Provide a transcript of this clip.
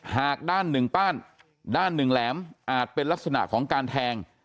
หากด้านหนึ่งป้านด้านหนึ่งแหลมอาจเป็นลักษณะของการแทง